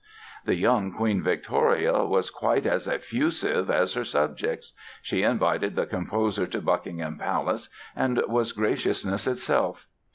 The young Queen Victoria was quite as effusive as her subjects. She invited the composer to Buckingham Palace and was graciousness itself.